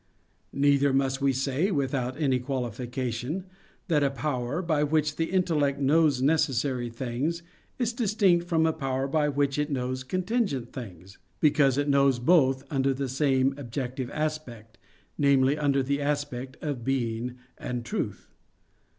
Neither must we say, without any qualification, that a power, by which the intellect knows necessary things, is distinct from a power by which it knows contingent things: because it knows both under the same objective aspect namely, under the aspect of being and truth.